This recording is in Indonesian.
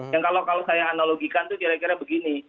yang kalau saya analogikan itu kira kira begini